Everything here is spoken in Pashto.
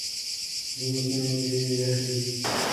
ځينې سيمې ډېرې يخې دي.